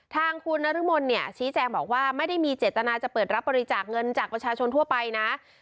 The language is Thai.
ทางคุณนรมนเนี่ยชี้แจงบอกว่าไม่ได้มีเจตนาจะเปิดรับบริจาคเงินจากประชาชนทั่วไปนะ